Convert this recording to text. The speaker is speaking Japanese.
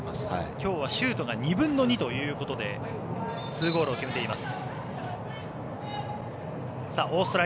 きょうはシュートが２分の２ということで２ゴールを決めています。